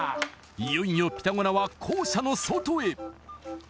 いよいよピタゴラは校舎の外へ！